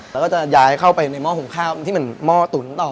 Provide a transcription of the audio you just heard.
แล้วก็จะย้ายเข้าไปในหม้อหุงข้าวที่เหมือนหม้อตุ๋นต่อ